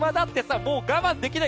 片岡、我慢できない！